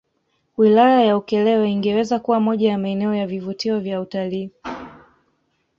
Wilaya ya Ukerewe ingeweza kuwa moja ya maeneo ya vivutio vya utalii